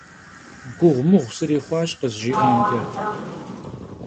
Guğumığu sırixhuaş khızjji'amç'e.